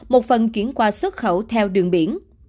một phần chuyển qua xuất khẩu theo đường biển